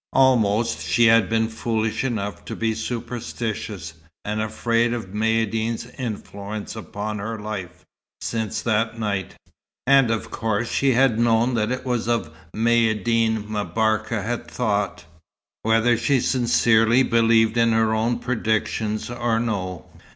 Almost, she had been foolish enough to be superstitious, and afraid of Maïeddine's influence upon her life, since that night; and of course she had known that it was of Maïeddine M'Barka had thought, whether she sincerely believed in her own predictions or no.